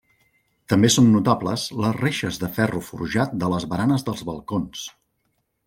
També són notables les reixes de ferro forjat de les baranes dels balcons.